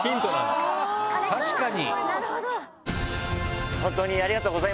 確かに！